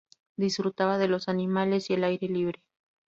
Disfrutaba de los animales y el aire libre.